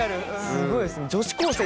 すごいですね。